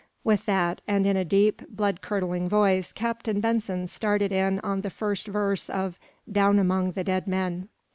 With that, and in a deep, blood curdling voice, Captain Benson started in on the first verse of "Down among the dead men."